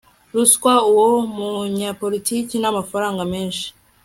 ruswa uwo munyapolitiki n'amafaranga menshi